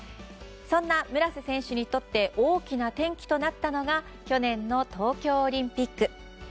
そんな村瀬選手にとって大きな転機となったのが去年の東京オリンピック。